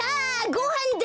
ごはんだ！